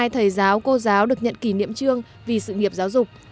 một trăm năm mươi hai thầy giáo cô giáo được nhận kỷ niệm trương vì sự nghiệp giáo dục